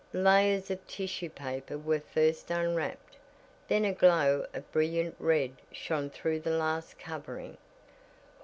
Layers of tissue paper were first unwrapped, then a glow of brilliant red shown through the last covering.